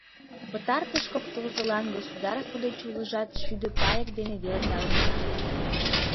Пытартыш кок тылзылан государство деч улыжат шӱдӧ паек дене веле налынна.